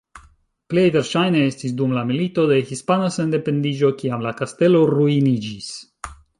Plej verŝajne estis dum la Milito de Hispana Sendependiĝo kiam la kastelo ruiniĝis.